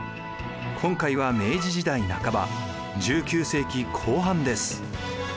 今回は明治時代半ば１９世紀後半です。